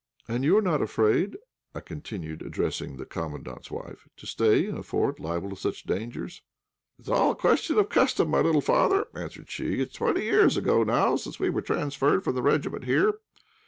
"And you are not afraid," I continued, addressing the Commandant's wife, "to stay in a fort liable to such dangers?" "It's all a question of custom, my little father," answered she. "It's twenty years ago now since we were transferred from the regiment here.